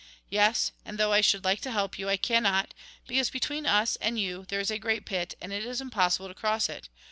Yes, and though I should like to help you, I cannot, because between us and you there is a great pit, and it is impossible to cross it.